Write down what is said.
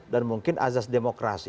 dan mungkin azas demokrasi